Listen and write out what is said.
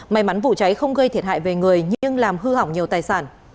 may mắn vụ cháy không gây thiệt hại về người nhưng làm hư hỏng nhiều tài sản